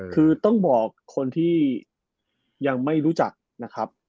คือต้องบอกคนที่ยังไม่รู้จักนะครับ